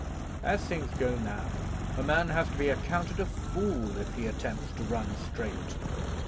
As things go now a man has to be accounted a fool if he attempts to run straight.